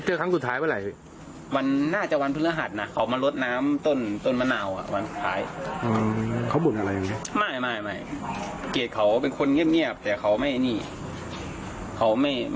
หรือไม่ก็อาจจะเกิดจากการหัวใจวายเพื่อนหน่อยนะฮะ